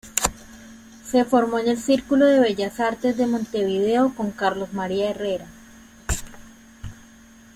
Se formó en el Círculo de Bellas Artes de Montevideo con Carlos María Herrera.